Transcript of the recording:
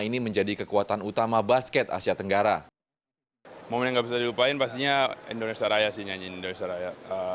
ini menjadi kekuatan utama basket asia tenggara momennya bisa dilupain pastinya indonesia raya